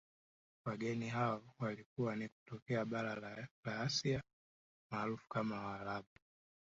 Wageni hao walikuwa ni kutokea bara la Asia maarufu kama waarabu